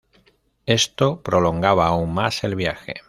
Esto prolongaba aún más el viaje.